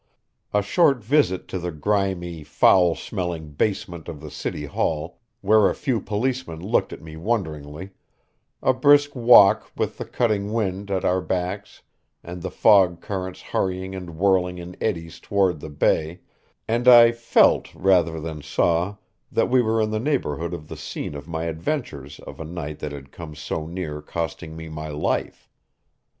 A short visit to the grimy, foul smelling basement of the City Hall, where a few policemen looked at me wonderingly, a brisk walk with the cutting wind at our backs and the fog currents hurrying and whirling in eddies toward the bay, and I felt rather than saw that we were in the neighborhood of the scene of my adventures of a night that had come so near costing me my life.